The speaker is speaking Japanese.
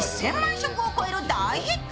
食を超える大ヒット。